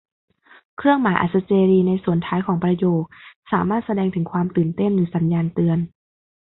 เครื่องหมายอัศเจรีย์ในส่วนท้ายของประโยคสามารถแสดงถึงความตื่นเต้น หรือสัญญาณเตือน